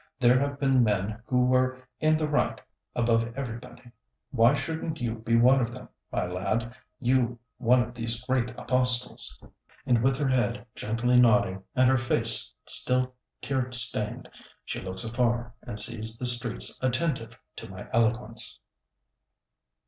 There have been men who were in the right, above everybody. Why shouldn't you be one of them, my lad, you one of these great apostles!" And with her head gently nodding, and her face still tear stained, she looks afar, and sees the streets attentive to my eloquence!